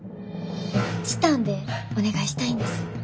チタンでお願いしたいんです。